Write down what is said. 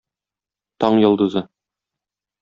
Таң йолдызы.